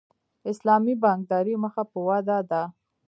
اسلامي بانکداري مخ په ودې ده